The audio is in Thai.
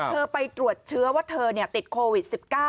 ไปตรวจเชื้อว่าเธอติดโควิด๑๙